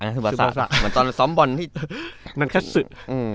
ซึบัสสะน่ะวันตอนการซ้อมบ่อนที่นันคัตซี่